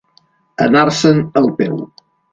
Anar-se'n el peu.